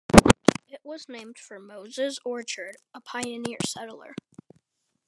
It was named for Moses Orchard, a pioneer settler.